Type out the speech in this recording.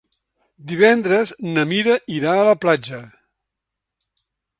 Divendres na Mira irà a la platja.